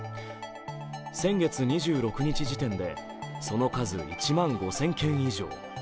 先月２６日時点でその数１万５０００件以上。